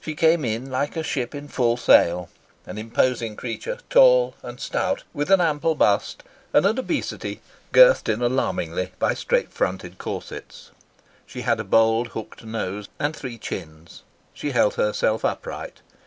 She came in, like a ship in full sail, an imposing creature, tall and stout, with an ample bust and an obesity girthed in alarmingly by straight fronted corsets. She had a bold hooked nose and three chins. She held herself upright.